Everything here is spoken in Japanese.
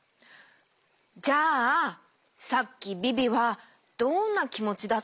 じゃあさっきビビはどんなきもちだったとおもう？